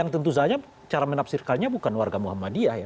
tentu saja cara menafsirkannya bukan warga muhammadiyah ya